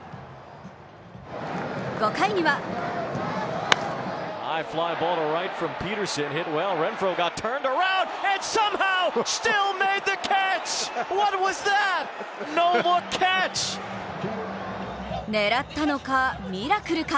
５回には狙ったのか、ミラクルか？